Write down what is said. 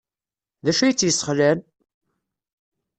D acu ay tt-yesxelɛen?